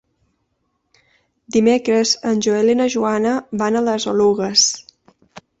Dimecres en Joel i na Joana van a les Oluges.